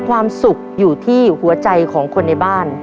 ความสุขอยู่ที่หัวใจของคนในบ้าน